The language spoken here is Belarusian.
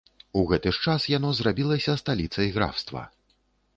У гэты ж час яно зрабілася сталіцай графства.